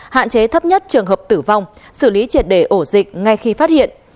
hạn chế thấp nhất trường hợp tử vong xử lý triệt đề ổ dịch ngay khi phát hiện